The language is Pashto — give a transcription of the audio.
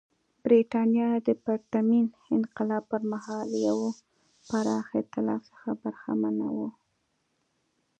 برېټانیا د پرتمین انقلاب پر مهال له یوه پراخ اېتلاف څخه برخمنه وه.